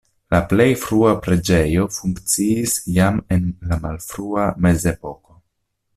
La plej frua preĝejo funkciis jam en la malfrua mezepoko.